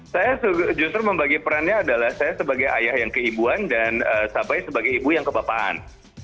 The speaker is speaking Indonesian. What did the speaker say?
saya justru membagi perannya adalah saya sebagai ayah yang keibuan dan sabay sebagai ibu yang kebapaan